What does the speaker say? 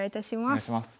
お願いします。